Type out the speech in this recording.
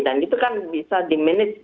dan itu kan bisa diminis